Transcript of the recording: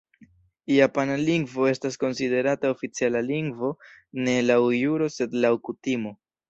Japana lingvo estas konsiderata oficiala lingvo ne laŭ juro sed laŭ kutimo.